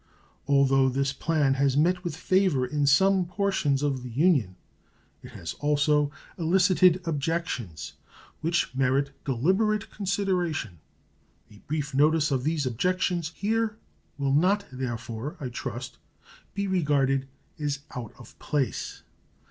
Although this plan has met with favor in some portions of the Union, it has also elicited objections which merit deliberate consideration. A brief notice of these objections here will not, therefore, I trust, be regarded as out of place.